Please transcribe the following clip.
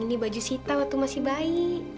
ini baju sita waktu masih bayi